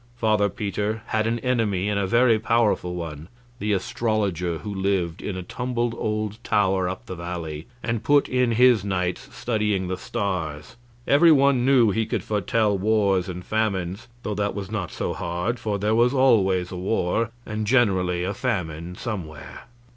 Father Peter had an enemy and a very powerful one, the astrologer who lived in a tumbled old tower up the valley, and put in his nights studying the stars. Every one knew he could foretell wars and famines, though that was not so hard, for there was always a war, and generally a famine somewhere.